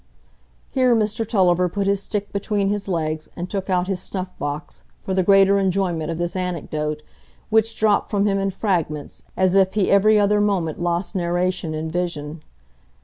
Here Mr Tulliver put his stick between his legs, and took out his snuff box, for the greater enjoyment of this anecdote, which dropped from him in fragments, as if he every other moment lost narration in vision.